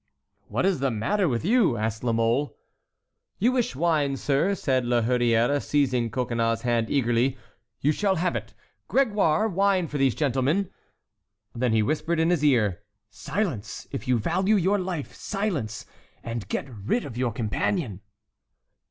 "What is the matter with you?" asked La Mole. "You wish wine, sir?" said La Hurière, seizing Coconnas' hand eagerly. "You shall have it. Grégoire, wine for these gentlemen!" Then he whispered in his ear: "Silence, if you value your life, silence! And get rid of your companion."